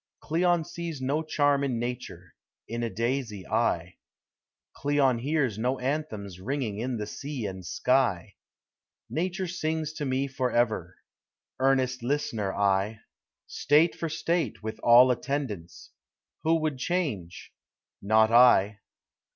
Cleon sees no charm in nature, in a daisy I; Cleon hears no anthems ringing in the sea and sky; Nature sings to me forever, earnest listener I; State for state, with all attendants, who would change? Not I.